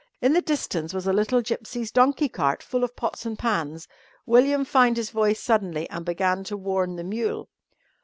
In the distance was a little gipsy's donkey cart full of pots and pans. William found his voice suddenly and began to warn the mule.